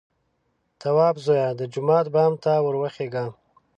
_توابه زويه! د جومات بام ته ور وخېژه!